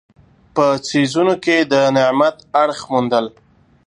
په څیزونو کې د نعمت اړخ موندل.